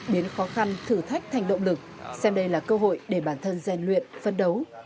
biến khó khăn thử thách thành động lực xem đây là cơ hội để bản thân rèn luyện phân đấu